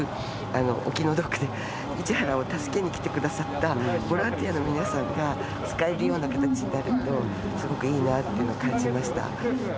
市原を助けに来て下さったボランティアの皆さんが使えるような形になるとすごくいいなっていうのを感じました。